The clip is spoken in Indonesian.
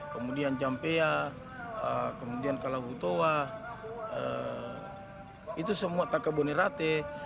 kemudian jampea kemudian kalahutowa itu semua tak kebonerate